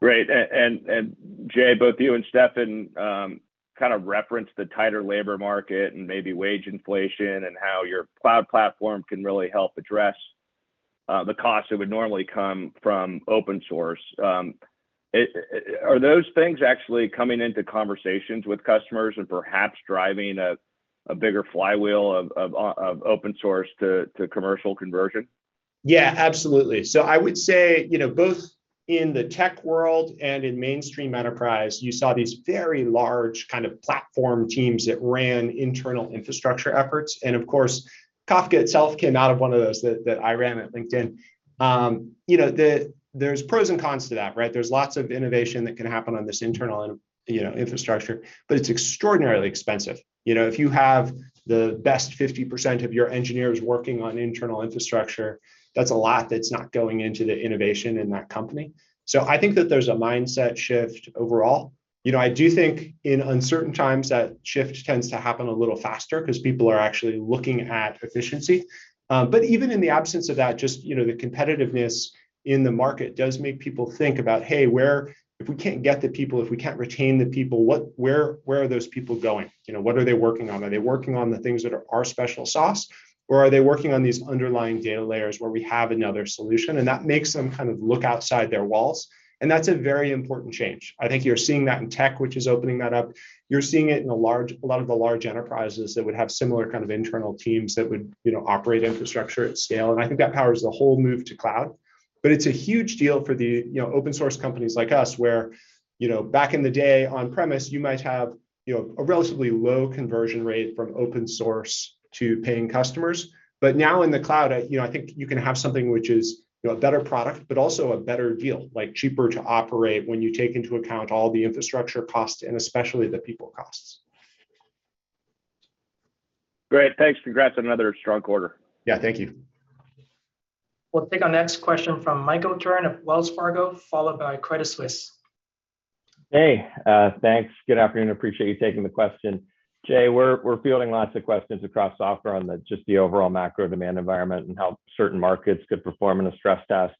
Great. Jay, both you and Steffan kind of referenced the tighter labor market and maybe wage inflation and how your cloud platform can really help address the cost that would normally come from open source. Are those things actually coming into conversations with customers and perhaps driving a bigger flywheel of open source to commercial conversion? Yeah, absolutely. I would say, you know, both in the tech world and in mainstream enterprise, you saw these very large kinds of platform teams that ran internal infrastructure efforts. Of course, Kafka itself came out of one of those that I ran at LinkedIn. You know, there are pros and cons to that, right? There's lots of innovation that can happen on this internal, you know, infrastructure, but it's extraordinarily expensive. You know, if you have the best 50% of your engineers working on internal infrastructure, that's a lot that's not going into innovation in that company. I think that there's a mindset shift overall. You know, I do think in uncertain times, that shift tends to happen a little faster 'cause people are actually looking at efficiency. Even in the absence of that, just, you know, the competitiveness in the market does make people think about, "Hey, where? If we can't get the people, if we can't retain the people, what? Where are those people going? You know, what are they working on? Are they working on the things that are our special sauce, or are they working on these underlying data layers where we have another solution?" That makes them kind of look outside their walls, and that's a very important change. I think you're seeing that in tech, which is opening that up. You're seeing it in a lot of the large enterprises that would have similar kinds of internal teams that would, you know, operate infrastructure at scale. I think that powers the whole move to cloud. It's a huge deal for the, you know, open source companies like us where, you know, back in the day on-premises, you might have, you know, a relatively low conversion rate from open source to paying customers. But now in the cloud, I, you know, I think you can have something which is, you know, a better product, but also a better deal, like cheaper to operate when you take into account all the infrastructure costs and especially the people costs. Great. Thanks. Congrats on another strong quarter. Yeah, thank you. We'll take our next question from Michael Turrin of Wells Fargo, followed by Credit Suisse. Hey, thanks. Good afternoon. Appreciate you taking the question. Jay, we're fielding lots of questions across software on just the overall macro demand environment and how certain markets could perform in a stress test.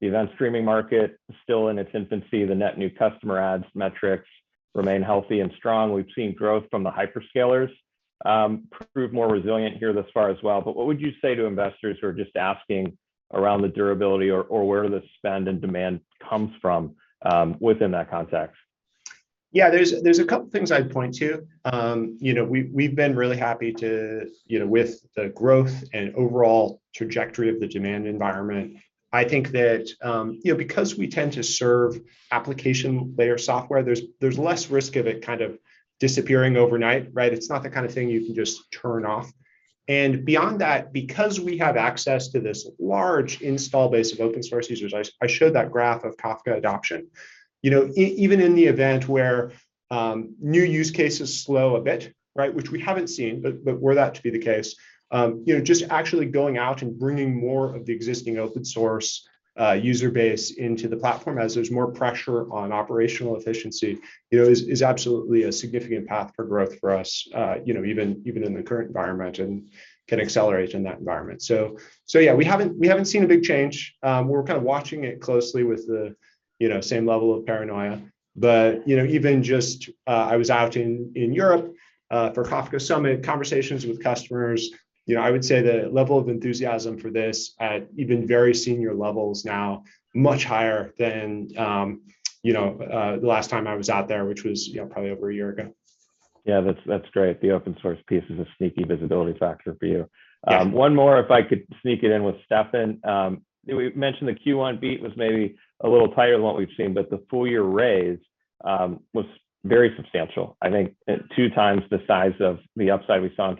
The event streaming market is still in its infancy. The net new customer adds metrics remain healthy and strong. We've seen growth from the hyperscalers prove more resilient here thus far as well. What would you say to investors who are just asking around the durability or where the spend and demand comes from within that context? Yeah, there's a couple things I'd point to. You know, we've been really happy, you know, with the growth and overall trajectory of the demand environment. I think that, you know, because we tend to serve application layer software, there's less risk of it kind of disappearing overnight, right? It's not the kind of thing you can just turn off. Beyond that, because we have access to this large installed base of open source users, I showed that graph of Kafka adoption. You know, even in the event where new use cases slow a bit, right? Which we haven't seen, but were that to be the case, you know, just actually going out and bringing more of the existing open source user base into the platform as there's more pressure on operational efficiency, you know, is absolutely a significant path for growth for us, you know, even in the current environment and can accelerate in that environment. So yeah, we haven't seen a big change. We're kind of watching it closely with the you know, same level of paranoia. You know, even just, I was out in Europe for the Kafka Summit, conversations with customers, you know, I would say the level of enthusiasm for this at even very senior levels now, much higher than, you know, the last time I was out there, which was, you know, probably over a year ago. Yeah, that's great. The open source piece is a sneaky visibility factor for you. Yeah. One more, if I could sneak it in with Steffan. We mentioned the Q1 beat was maybe a little tighter than what we've seen, but the full-year raise was very substantial. I think two times the size of the upside we saw in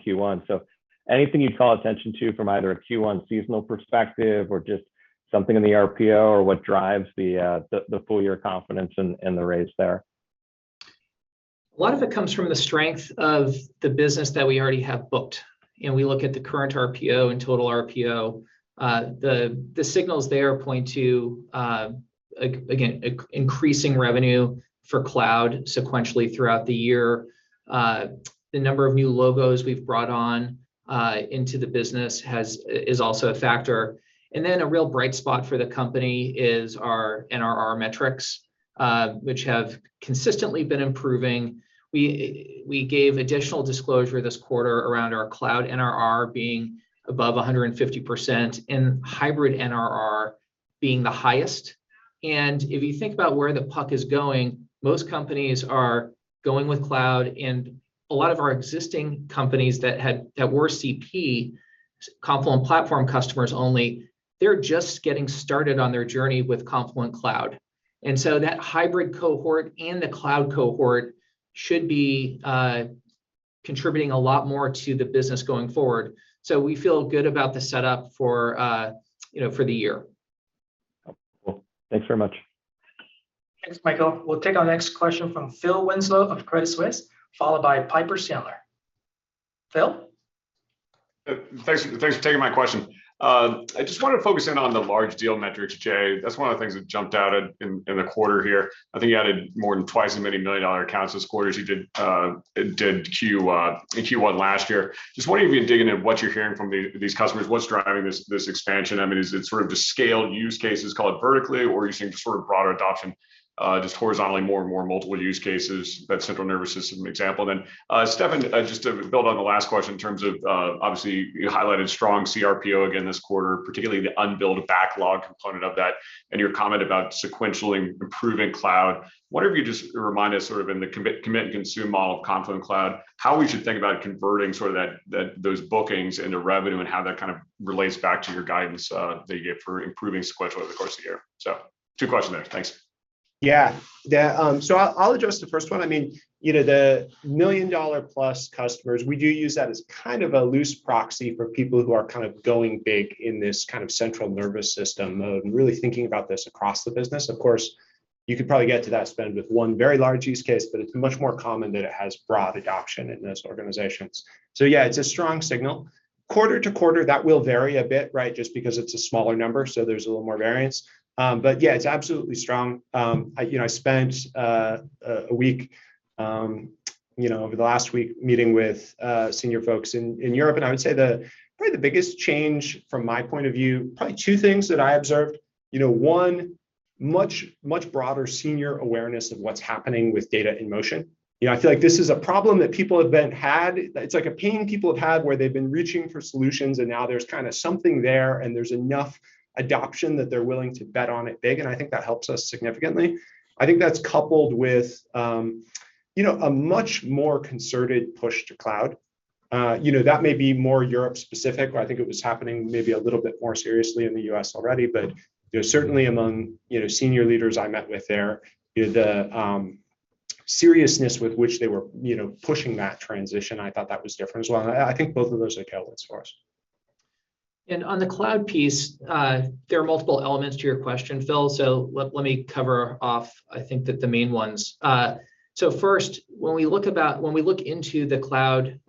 Q1. Anything you'd call attention to from either a Q1 seasonal perspective or just something in the RPO, or what drives the full-year confidence in the raise there? A lot of it comes from the strength of the business that we already have booked, and we look at the current RPO and total RPO. The signals there point to again, increasing revenue for cloud sequentially throughout the year. The number of new logos we've brought into the business is also a factor. Then, a real bright spot for the company is our NRR metrics, which have consistently been improving. We gave additional disclosure this quarter around our cloud NRR being above 150% and our hybrid NRR being the highest. If you think about where the puck is going, most companies are going with cloud, and a lot of our existing companies that were CP, Confluent Platform customers only, they're just getting started on their journey with Confluent Cloud. That hybrid cohort and the cloud cohort should be contributing a lot more to the business going forward. We feel good about the setup for, you know, for the year. Cool. Thanks very much. Thanks, Michael. We'll take our next question from Phil Winslow of Credit Suisse, followed by Piper Sandler. Phil? Thanks for taking my question. I just want to focus on the large deal metrics, Jay. That's one of the things that jumped out at me in the quarter here. I think you added more than twice as many million-dollar accounts this quarter as you did in Q1 last year. Just wondering if you can dig into what you're hearing from these customers, what's driving this expansion? I mean, is it sort of the scale use cases call it vertically, or are you seeing just sort of broader adoption, just horizontally, more and more multiple use cases? That central nervous system example. Steffan, just to build on the last question in terms of, obviously, you highlighted strong CRPO again this quarter, particularly the unbilled backlog component of that, and your comment about sequentially improving cloud. Wonder if you could just remind us, sort of in the commit and consume model of Confluent Cloud, how we should think about converting sort of those bookings into revenue, and how that kind of relates back to your guidance that you gave for improving sequentially over the course of the year. Two questions there. Thanks. Yeah. Yeah, I'll address the first one. I mean, you know, the $1 million-plus customers, we do use that as kind of a loose proxy for people who are kind of going big in this kind of central nervous system mode and really thinking about this across the business. Of course, you could probably get to that spend with one very large use case, but it's much more common that it has broad adoption in those organizations. Yeah, it's a strong signal. Quarter-to-quarter, that will vary a bit, right? Just because it's a smaller number, so there's a little more variance. Yeah, it's absolutely strong. I, you know, I spent a week, you know, over the last week meeting with senior folks in Europe, and I would say probably the biggest change from my point of view, probably two things that I observed. You know, one, much broader senior awareness of what's happening with data in motion. You know, I feel like this is a problem that people have had. It's like a pain people have had where they've been reaching for solutions, and now there's kind of something there, and there's enough adoption that they're willing to bet on it big, and I think that helps us significantly. I think that's coupled with a much more concerted push to the cloud. You know, that may be more Europe-specific, where I think it was happening maybe a little bit more seriously in the U.S., already. You know, certainly among you know, senior leaders I met with there, you know, the seriousness with which they were, you know, pushing that transition, I thought that was different as well. I think both of those are tailwinds for us. On the cloud piece, there are multiple elements to your question, Phil, so let me cover off I think the main ones. First, when we look into the cloud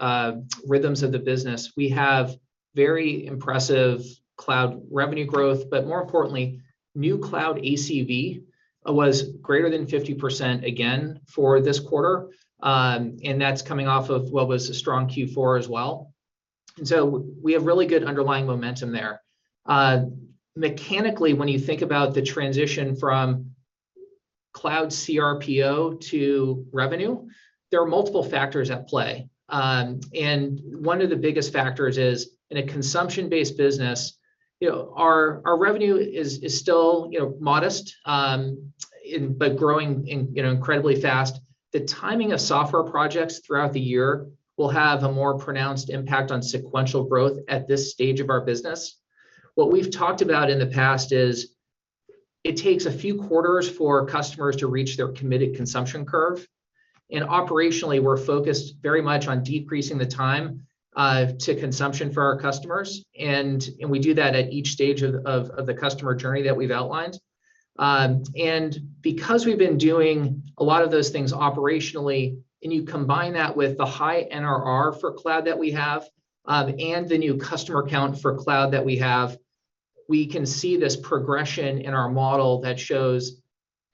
rhythms of the business, we have very impressive cloud revenue growth, but more importantly, new cloud ACV was greater than 50% again for this quarter. That's coming off of what was a strong Q4 as well. We have really good underlying momentum there. Mechanically, when you think about the transition from cloud CRPO to revenue, there are multiple factors at play. One of the biggest factors is, in a consumption-based business, you know, our revenue is still, you know, modest, but growing, you know, incredibly fast. The timing of software projects throughout the year will have a more pronounced impact on sequential growth at this stage of our business. What we've talked about in the past is it takes a few quarters for customers to reach their committed consumption curve. Operationally, we're focused very much on decreasing the time to consumption for our customers. We do that at each stage of the customer journey that we've outlined. Because we've been doing a lot of those things operationally, and you combine that with the high NRR for cloud that we have, and the new customer count for cloud that we have, we can see this progression in our model that shows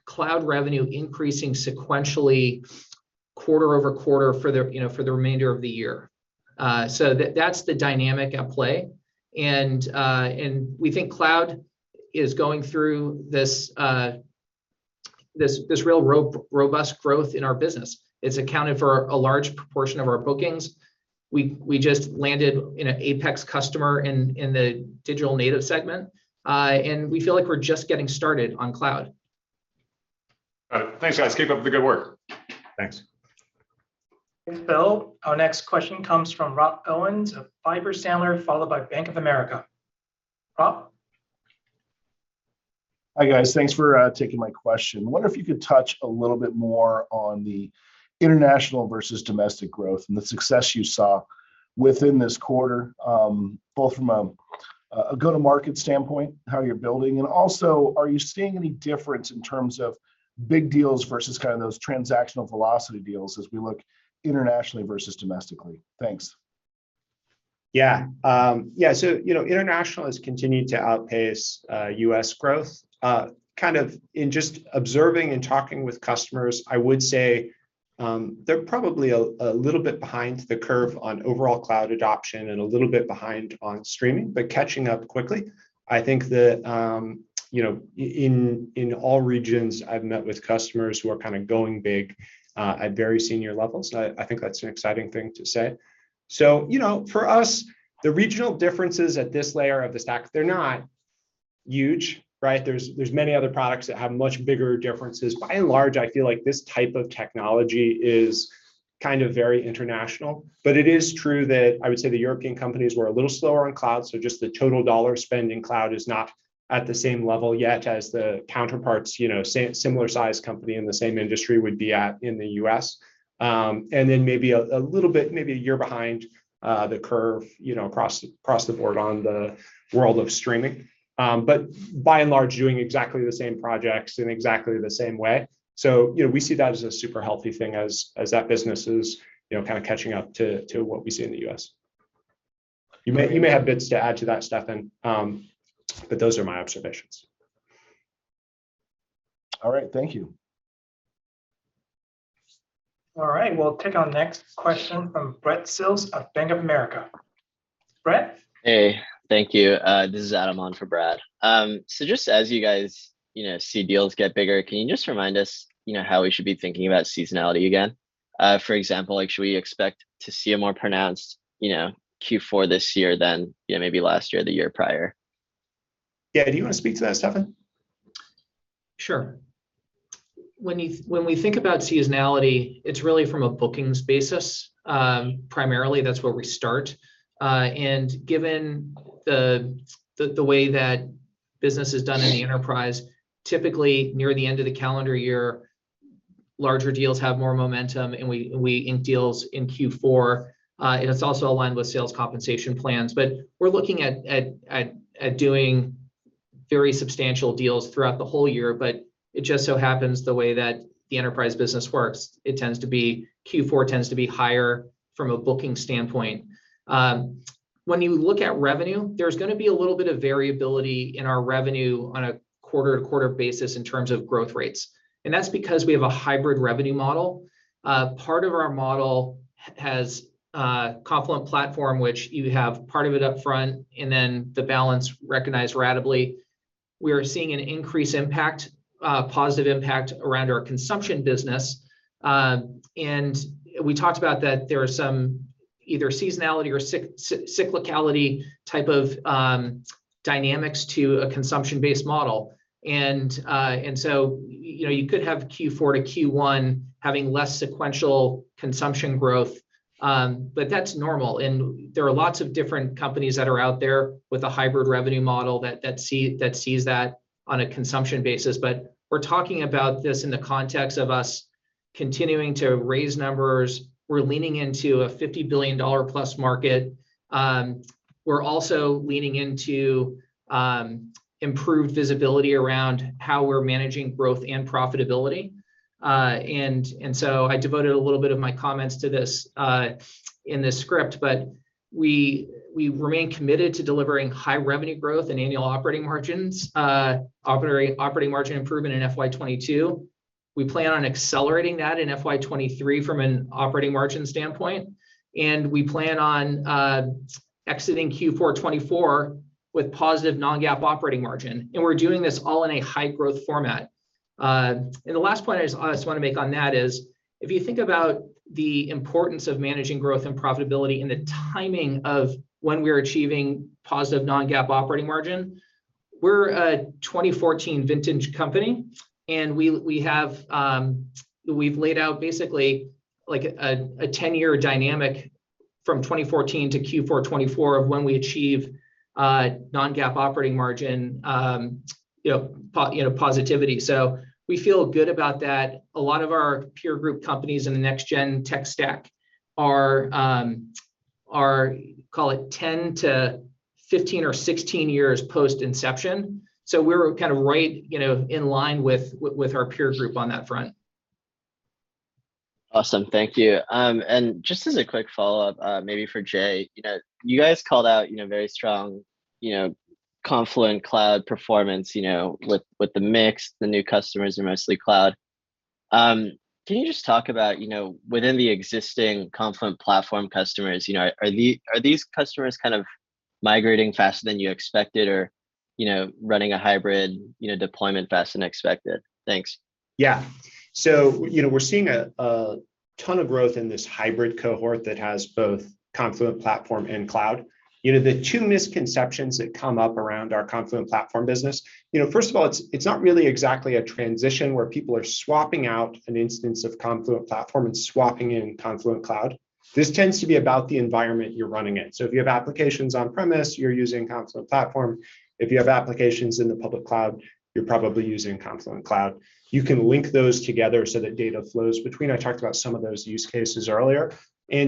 cloud revenue increasing sequentially quarter-over-quarter for the, you know, for the remainder of the year. That’s the dynamic at play. We think cloud is going through this real robust growth in our business. It’s accounted for a large proportion of our bookings. We just landed, you know, an apex customer in the digital native segment. We feel like we're just getting started on cloud. All right. Thanks, guys. Keep up the good work. Thanks. Thanks, Phil. Our next question comes from Rob Owens of Piper Sandler, followed by Bank of America. Rob? Hi guys. Thanks for taking my question. Wonder if you could touch a little bit more on the international versus domestic growth and the success you saw within this quarter, both from a go-to-market standpoint, how you're building, and also are you seeing any difference in terms of big deals versus kind of those transactional velocity deals as we look internationally versus domestically? Thanks. Yeah, you know, international has continued to outpace U.S. growth. Kind of in just observing and talking with customers, I would say, they're probably a little bit behind the curve on overall cloud adoption and a little bit behind on streaming, but catching up quickly. I think that, you know, in all regions, I've met with customers who are kind of going big at very senior levels. I think that's an exciting thing to say. You know, for us, the regional differences at this layer of the stack are not huge, right? There's many other products that have much bigger differences. By and large, I feel like this type of technology is kind of very international, but it is true that I would say the European companies were a little slower on cloud, so just the total dollar spend in cloud is not at the same level yet as the counterparts, you know, similar size company in the same industry would be at in the U.S. Maybe a little bit, maybe a year behind the curve, you know, across the board on the world of streaming. By and large, doing exactly the same projects in exactly the same way. You know, we see that as a super healthy thing, as that business is, you know, kind of catching up to what we see in the U.S. You may have bits to add to that, Steffan, but those are my observations. All right, thank you. All right, we'll take our next question from Brad Sills of Bank of America. Brad? Hey. Thank you. This is Adam Bergere for Brad Sills. Just as you guys, you know, see deals get bigger, can you just remind us, you know, how we should be thinking about seasonality again? For example, like should we expect to see a more pronounced, you know, Q4 this year than, you know, maybe last year or the year prior? Yeah. Do you wanna speak to that, Steffan? Sure. When we think about seasonality, it's really from a booking's basis. Primarily, that's where we start. Given the way that business is done in the enterprise, typically near the end of the calendar year, larger deals have more momentum, and we ink deals in Q4. It's also aligned with sales compensation plans. We're looking at doing very substantial deals throughout the whole year, but it just so happens that the way the enterprise business works, it tends to be Q4 that tends to be higher from a booking standpoint. When you look at revenue, there's gonna be a little bit of variability in our revenue on a quarter-to-quarter basis in terms of growth rates, and that's because we have a hybrid revenue model. Part of our model has a Confluent Platform, which you have part of it up front, and then the balance recognized ratably. We are seeing an increased impact, positive impact around our consumption business. We talked about that there are some either seasonality or cyclicality type of dynamics to a consumption-based model. You know, you could have Q4 to Q1 having less sequential consumption growth, but that's normal. There are lots of different companies that are out there with a hybrid revenue model that sees that on a consumption basis. We're talking about this in the context of us continuing to raise numbers. We're leaning into a $50 billion-plus market. We're also leaning into improved visibility around how we're managing growth and profitability. I devoted a little bit of my comments to this in this script, but we remain committed to delivering high revenue growth and operating margin improvement in FY 2022. We plan on accelerating that in FY 2023 from an operating margin standpoint, and we plan on exiting Q4 2024 with positive non-GAAP operating margin, and we're doing this all in a high growth format. The last point I just wanna make on that is if you think about the importance of managing growth and profitability and the timing of when we are achieving positive non-GAAP operating margin, we're a 2014 vintage company, and we've laid out basically like a 10-year dynamic from 2014 to Q4 2024 of when we achieve non-GAAP operating margin, you know, positivity. We feel good about that. A lot of our peer group companies in the next gen tech stack are call it 10 to 15 or 16 years post-inception. We're kind of right, you know, in line with our peer group on that front. Awesome. Thank you. Just as a quick follow-up, maybe for Jay. You know, you guys called out, you know, very strong, you know, Confluent Cloud performance, you know, with the mix, the new customers are mostly cloud. Can you just talk about, you know, within the existing Confluent Platform customers, you know, are these customers kind of migrating faster than you expected or, you know, running a hybrid, you know, deployment faster than expected? Thanks. Yeah. You know, we're seeing a ton of growth in this hybrid cohort that has both Confluent Platform and Cloud. You know, the two misconceptions that come up around our Confluent Platform business, you know, first of all, it's not really exactly a transition where people are swapping out an instance of Confluent Platform and swapping in Confluent Cloud. This tends to be about the environment you're running in. If you have applications on-premises, you're using Confluent Platform. If you have applications in the public cloud, you're probably using Confluent Cloud. You can link those together so that data flows between. I talked about some of those use cases earlier. You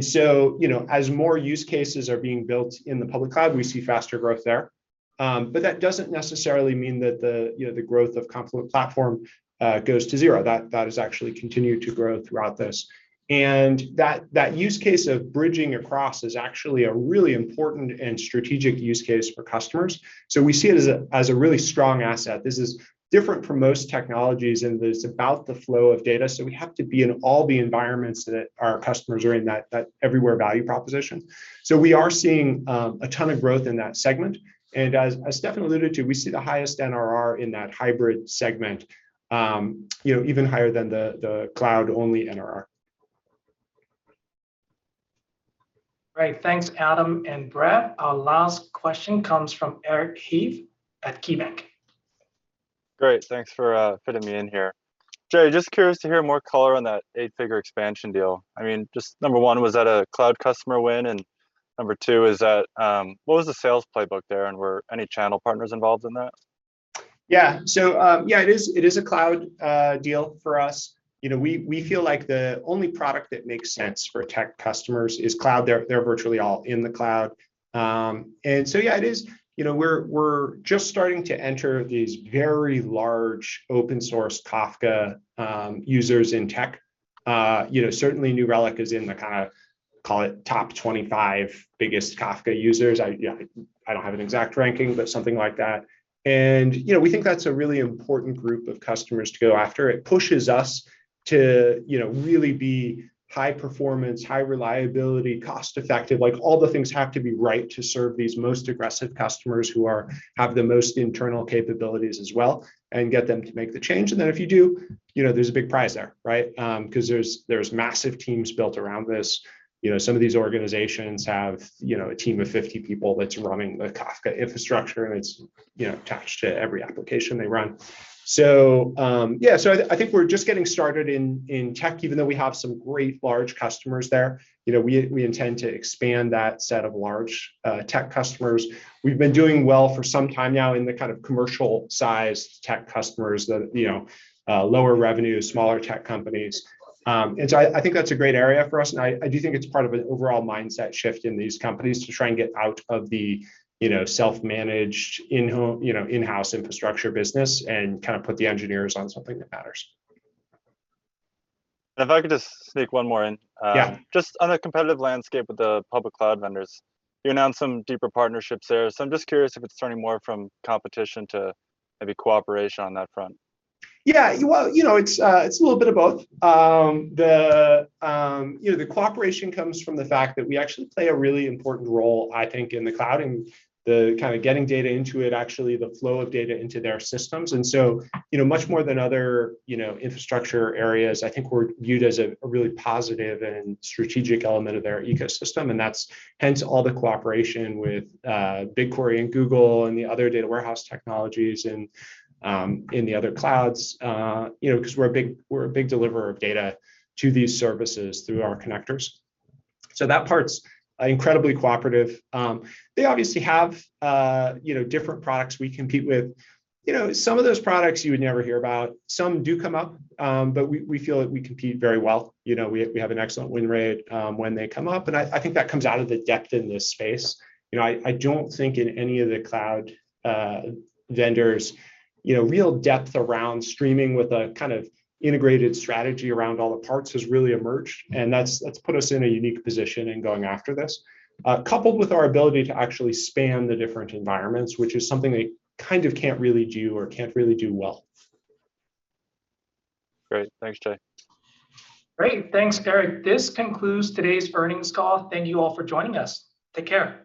know, as more use cases are being built in the public cloud, we see faster growth there. That doesn't necessarily mean that the, you know, the growth of Confluent Platform goes to zero. That has actually continued to grow throughout this. That use case of bridging across is actually a really important and strategic use case for customers. We see it as a really strong asset. This is different from most technologies in that it's about the flow of data, so we have to be in all the environments that our customers are in, that everywhere value proposition. We are seeing a ton of growth in that segment. As Steffan alluded to, we see the highest NRR in that hybrid segment, you know, even higher than the cloud-only NRR. Great. Thanks Adam and Brad. Our last question comes from Eric Heath at KeyBanc. Great. Thanks for fitting me in here. Jay, just curious to hear more color on that eight-figure expansion deal. I mean, just number one, was that a cloud customer win? Number two, is that what was the sales playbook there, and were any channel partners involved in that? It is a cloud deal for us. You know, we feel like the only product that makes sense for tech customers is cloud. They're virtually all in the cloud. Yeah, it is. You know, we're just starting to enter these very large open-source Kafka users in tech. You know, certainly New Relic is in the kinda, call it, top 25 biggest Kafka users. I don't have an exact ranking, but something like that. You know, we think that's a really important group of customers to go after. It pushes us to, you know, really be high performance, high reliability, cost-effective. Like, all the things have to be right to serve these most aggressive customers who have the most internal capabilities as well, and get them to make the change. If you do, you know, there's a big prize there, right? 'Cause there's massive teams built around this. You know, some of these organizations have, you know, a team of 50 people that's running the Kafka infrastructure, and it's, you know, attached to every application they run. Yeah. I think we're just getting started in tech, even though we have some great large customers there. You know, we intend to expand that set of large tech customers. We've been doing well for some time now in the kind of commercial-sized tech customers that, you know, lower revenue, smaller tech companies. I think that's a great area for us, and I do think it's part of an overall mindset shift in these companies to try and get out of the, you know, self-managed in-house infrastructure business and kind of put the engineers on something that matters. If I could just sneak one more in. Yeah. Just on the competitive landscape with the public cloud vendors, you announced some deeper partnerships there. I'm just curious if it's turning more from competition to maybe cooperation on that front. Yeah. Well, you know, it's a little bit of both. The cooperation comes from the fact that we actually play a really important role, I think, in the cloud and the kind of getting data into it, actually the flow of data into their systems. You know, much more than other infrastructure areas, I think we're viewed as a really positive and strategic element of their ecosystem, and that's hence all the cooperation with BigQuery and Google and the other data warehouse technologies and in the other clouds. You know, 'cause we're a big deliverer of data to these services through our connectors. That part's incredibly cooperative. They obviously have different products we compete with. You know, some of those products you would never hear about. Some do come up, but we feel that we compete very well. You know, we have an excellent win rate when they come up, and I think that comes out of the depth in this space. You know, I don't think in any of the cloud vendors, you know, real depth around streaming with a kind of integrated strategy around all the parts has really emerged, and that's put us in a unique position in going after this. Coupled with our ability to actually span the different environments, which is something they kind of can't really do or can't really do well. Great. Thanks, Jay. Great. Thanks, Eric. This concludes today's earnings call. Thank you all for joining us. Take care.